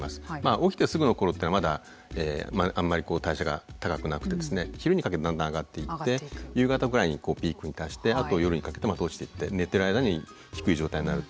起きてすぐの頃っていうのはまだあんまり代謝が高くなくてですね昼にかけてだんだん上がっていって夕方ぐらいにピークに達してあと夜にかけてまた落ちていって寝てる間に低い状態になる。